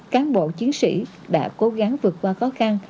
cán bộ chiến sĩ đã cố gắng vượt qua khó khăn